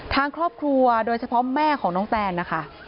ทางครอบครัวโดยเฉพาะแม่ของน้องแตนนะคะ